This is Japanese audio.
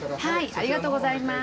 ありがとうございます。